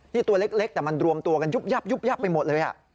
ตัวเล็กแต่มันรวมตัวกันยุบยับยุบยับไปหมดเลย